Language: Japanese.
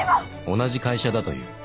同じ会社だという